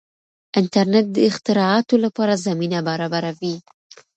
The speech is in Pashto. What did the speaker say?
انټرنیټ د اختراعاتو لپاره زمینه برابروي.